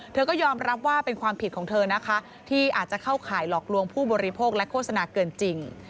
เธอก็ยอมรับว่าเป็นความผิดของเธอนะคะที่อาจจะเข้าข่ายหลอกลวงผู้บริโภคและโฆษณาเกินจริง